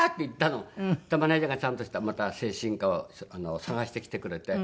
そしたらマネジャーがちゃんとしたまた精神科を探してきてくれて。